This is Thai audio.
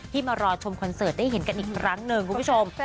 มารอชมคอนเสิร์ตได้เห็นกันอีกครั้งหนึ่งคุณผู้ชม